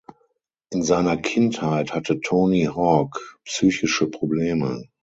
In seiner Kindheit hatte Tony Hawk psychische Probleme.